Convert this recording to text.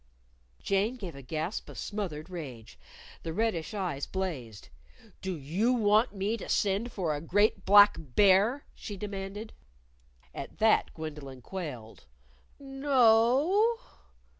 Jane gave a gasp of smothered rage. The reddish eyes blazed. "Do you want me to send for a great black bear?" she demanded. At that Gwendolyn quailed. "No o o!"